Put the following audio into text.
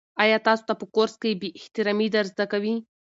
آیا تاسو ته په کورس کې بې احترامي در زده کوي؟